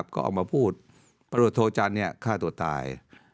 ก็ออกมาพูดพระรสโทษธรรมนี้ฆ่าตัวตาย